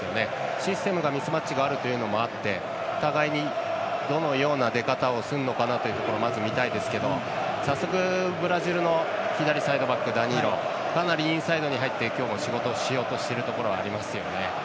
システムがミスマッチがあるというのもあって互いに、どのような出方をするのかなというところをまず見たいですけど早速ブラジルの左サイドバックダニーロかなりインサイドに入って今日も仕事をしようとしているところがありますね。